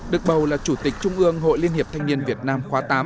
được bầu là chủ tịch trung ương hội liên hiệp thanh niên việt nam khóa tám